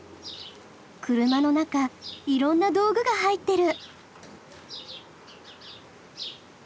車の中いろんな道具が入ってる。